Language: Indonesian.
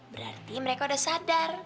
berarti mereka udah sadar